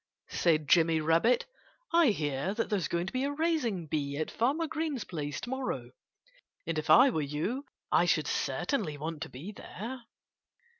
said Jimmy Rabbit. "I hear that there's going to be a raising bee at Farmer Green's place to morrow. And if I were you I should certainly want to be there."